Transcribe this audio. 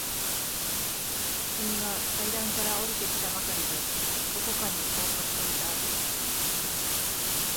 君は階段から下りてきたばかりで、どこかに行こうとしていた。